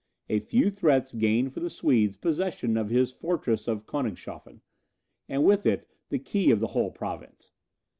A few threats gained for the Swedes possession of his fortress of Koenigshofen, and with it the key of the whole province.